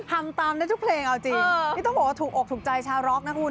ตามได้ทุกเพลงเอาจริงนี่ต้องบอกว่าถูกอกถูกใจชาร็อกนะคุณ